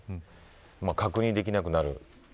確認できなくなる。